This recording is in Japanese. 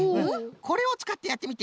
これをつかってやってみて。